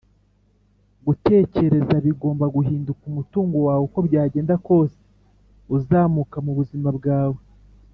"gutekereza bigomba guhinduka umutungo wawe, uko byagenda kose uzamuka mubuzima bwawe."